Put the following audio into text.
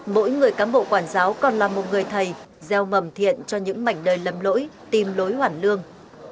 mỗi người cán bộ quản giáo còn là một người thầy gieo mầm thiện cho những mảnh đời lầm lỗi tìm lối hoàn lương